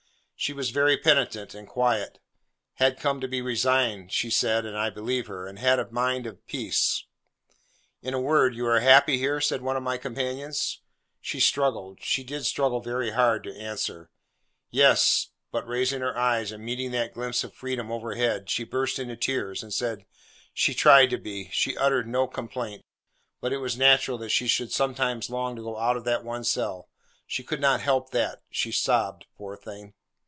She was very penitent and quiet; had come to be resigned, she said (and I believe her); and had a mind at peace. 'In a word, you are happy here?' said one of my companions. She struggled—she did struggle very hard—to answer, Yes; but raising her eyes, and meeting that glimpse of freedom overhead, she burst into tears, and said, 'She tried to be; she uttered no complaint; but it was natural that she should sometimes long to go out of that one cell: she could not help that,' she sobbed, poor thing!